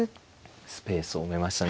スペースを埋めましたね。